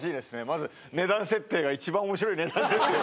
まず値段設定が一番面白い値段設定。